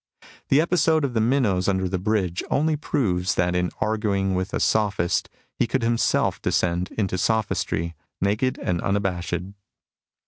The episode of the minnows under the bridge * only proves that in arguing with a sophist he could himself descend to sophistry naked and unabashed.